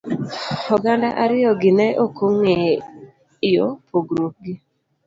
Oganda ariyo gi ne okeng'eyo pogruok gi.